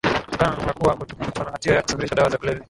kutokana na kwa kukutwa na hatia ya kusafirisha dawa za kulevya